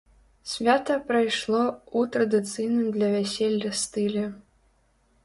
Свята прайшло ў традыцыйным для вяселля стылі.